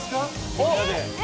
みんなで。